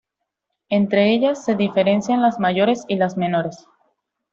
Entre ellas se diferencian las "mayores" y las "menores".